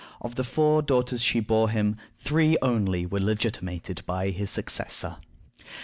Of the four daughters she bore him, three only were legitimated by his successor.